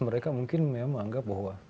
mereka mungkin memang menganggap bahwa